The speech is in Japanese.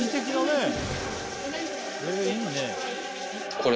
これ。